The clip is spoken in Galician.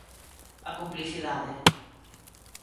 A complicidade.